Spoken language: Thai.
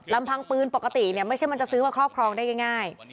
ลำพังปืนปกติไม่ใช่มันจะซื้อมาครอบครองได้ง่าย